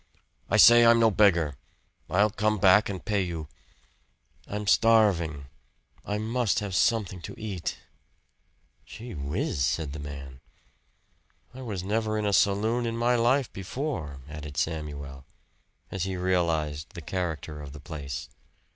"I say I'm no beggar! I'll come back and pay you. I'm starving. I must have something to eat." "Gee whiz!" said the man. "I was never in a saloon in my life before," added Samuel, as he realized the character of the place.